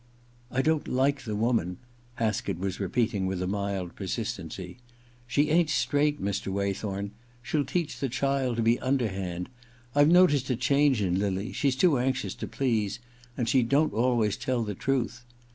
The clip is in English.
*I don't like the woman,* Haskett was repeating with mild persistency. *She ain't straight, Mr. Waythorn — she'll teach the child to be underhand. I've noticed a change in lily — she's too anxious to please — and she don't always tell the truth.